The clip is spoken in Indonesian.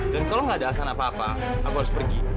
dan kalau nggak ada alasan apa apa aku harus pergi